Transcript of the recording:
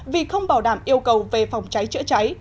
vì không bảo đảm yêu cầu về phòng cháy chữa cháy